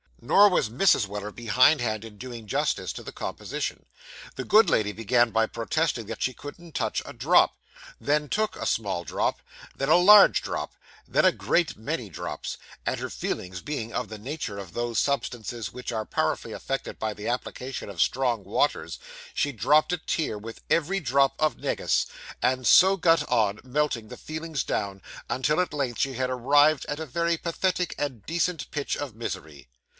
Nor was Mrs. Weller behind hand in doing justice to the composition. The good lady began by protesting that she couldn't touch a drop then took a small drop then a large drop then a great many drops; and her feelings being of the nature of those substances which are powerfully affected by the application of strong waters, she dropped a tear with every drop of negus, and so got on, melting the feelings down, until at length she had arrived at a very pathetic and decent pitch of misery.